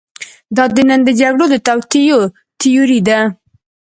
دا د نن د جګړو د توطیو تیوري ده.